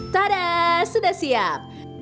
tadaa sudah siap